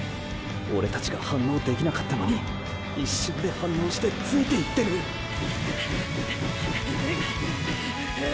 オレたちが反応できなかったのに一瞬で反応してついていってるうう！